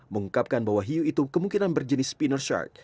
mengungkapkan bahwa hiu itu kemungkinan berjenis spinner shark